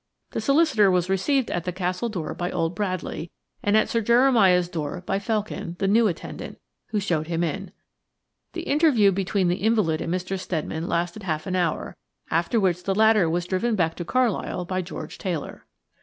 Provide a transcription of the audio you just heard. The solicitor was received at the Castle door by old Bradley, and at Sir Jeremiah's door by Felkin, the new attendant, who showed him in. The interview between the invalid and Mr. Steadman lasted half an hour, after which the latter was driven back to Carlisle by George Taylor.